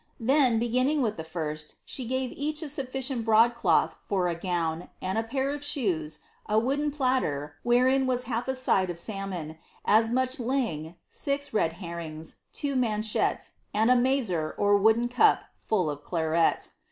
Then, beginning with the Urst, she gave each a sullicient broad cloth for a gown, and a pair of shoes, a wooden platter, wherein was half a side of salmon, as much ling, siic red herrings, two manchetts, and a mazer, or wooden cup, full of claret.